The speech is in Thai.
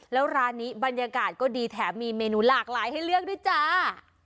แล้วร้านนี้บรรยากาศก็ดีแถมมีเมนูหลากหลายให้เลือกด้วยจ้า